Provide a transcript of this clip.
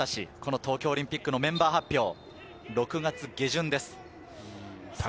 東京オリンピックのメンバー発表は６月下旬です。